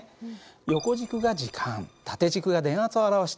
横軸が時間縦軸が電圧を表している。